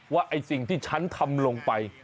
ว่าไอ้สิ่งที่ฉันทำลงไป